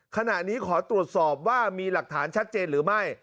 ขณะนี้ขอตรวจสอบว่ามีหลักฐานชัดเจนหรือไม่